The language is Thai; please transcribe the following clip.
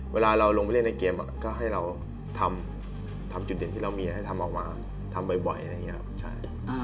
เวลาเราลงไปเล่นในเกมก็ให้เราทำจุดเด่นที่เรามีให้ทำออกมาทำบ่อยอะไรอย่างนี้ครับใช่